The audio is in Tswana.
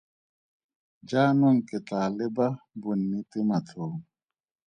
Jaanong ke tlaa leba bonnete matlhong.